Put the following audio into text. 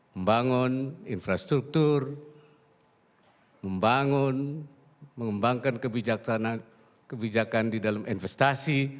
membangun infrastruktur membangun mengembangkan kebijakan di dalam investasi